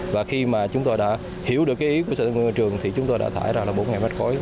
và khi mà chúng tôi đã hiểu được ý của sở tương ương hội trường thì chúng tôi đã thải ra là bốn m ba